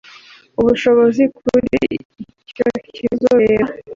ubushobozi kuri icyo kibazo bireba